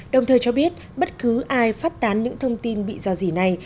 đồng thời cho biết bất cứ ai phát tán những thông tin bị do gì này